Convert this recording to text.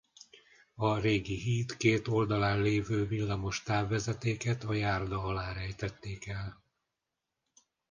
A régi híd két oldalán lévő villamos távvezetéket a járda alá rejtették el.